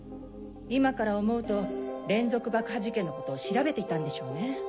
今から思うと連続爆破事件のことを調べていたんでしょうね。